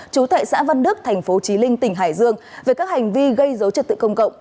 chú thệ xã văn đức tp chí linh tỉnh hải dương về các hành vi gây dấu trật tự công cộng